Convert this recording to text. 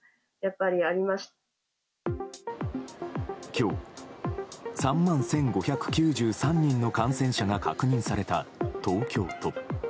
今日、３万１５９３人の感染者が確認された東京都。